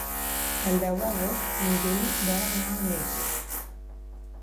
El deu d'agost en Juli vol anar al metge.